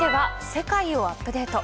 世界をアップデート」。